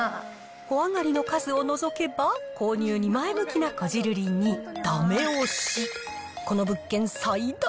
小上がりの数を除けば、購入に前向きなこじるりにだめ押し。